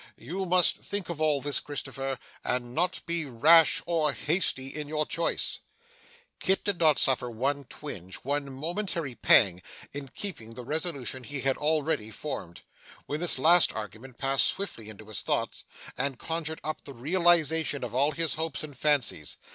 You must think of all this, Christopher, and not be rash or hasty in your choice.' Kit did suffer one twinge, one momentary pang, in keeping the resolution he had already formed, when this last argument passed swiftly into his thoughts, and conjured up the realization of all his hopes and fancies.